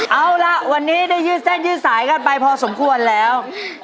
เอาล่ะวันนี้ได้ยืดเส้นยืดสายกันไปพอสมควรแล้ว